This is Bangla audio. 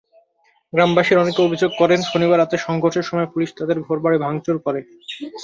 গ্রামবাসীর অনেকে অভিযোগ করেন, শনিবার রাতে সংঘর্ষের সময় পুলিশ তাঁদের ঘরবাড়ি ভাঙচুর করে।